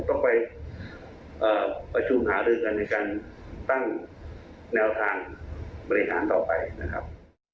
ต้องไปประชุมหารือกันในการตั้งแนวทางบริหารต่อไปนะครับ